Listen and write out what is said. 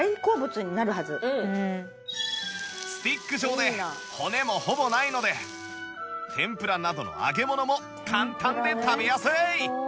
スティック状で骨もほぼないので天ぷらなどの揚げ物も簡単で食べやすい